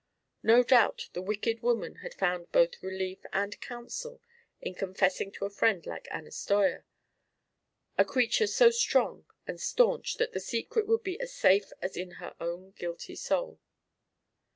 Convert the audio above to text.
No doubt the wicked woman had found both relief and counsel in confessing to a friend like Anna Steuer, a creature so strong and staunch that the secret would be as safe as in her own guilty soul.